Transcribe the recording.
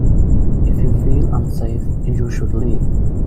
If you feel unsafe, you should leave.